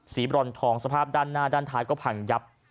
บรอนทองสภาพด้านหน้าด้านท้ายก็พังยับ